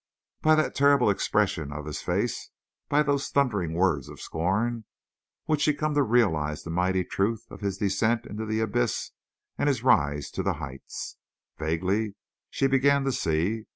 By that terrible expression of his face, by those thundering words of scorn, would she come to realize the mighty truth of his descent into the abyss and his rise to the heights. Vaguely she began to see.